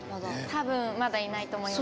多分まだいないと思います。